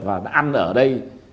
và nó ăn ở đây